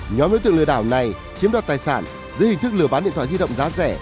nhóm đối tượng lừa đảo này chiếm đoạt tài sản dưới hình thức lừa bán điện thoại di động giá rẻ